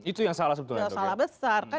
itu yang salah sebetulnya